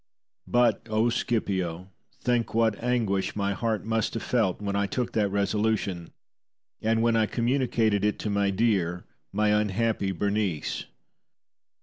But, O Scipio, think what anguish my heart must have felt when I took that resolution, and when I communicated it to my dear, my unhappy Berenice.